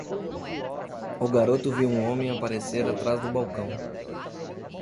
O garoto viu um homem aparecer atrás do balcão.